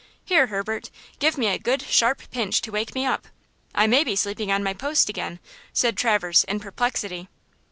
Here, Herbert, give me a good, sharp pinch to wake me up! I may be sleeping on my post again?" said Traverse in perplexity.